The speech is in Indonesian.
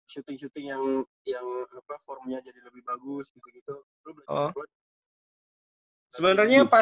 shooting shooting yang performanya jadi lebih bagus gitu gitu lu belajar apa